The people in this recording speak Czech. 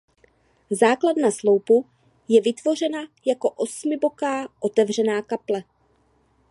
Základna sloupu je vytvořena jako osmiboká otevřená kaple.